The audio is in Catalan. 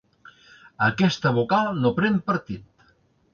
Aquesta vocal no pren partit.